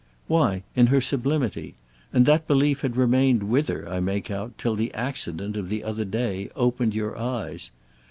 "Why in her sublimity. And that belief had remained with her, I make out, till the accident of the other day opened your eyes.